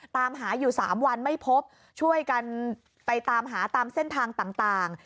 ตามหาอยู่๓วันไม่พบช่วยกันไปตามหาตามเส้นทางต่าง